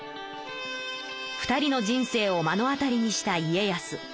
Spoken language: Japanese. ２人の人生をまのあたりにした家康。